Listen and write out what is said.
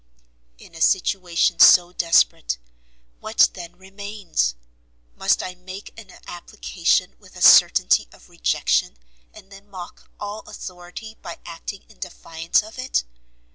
In a situation so desperate, what then remains? Must I make an application with a certainty of rejection, and then mock all authority by acting in defiance of it?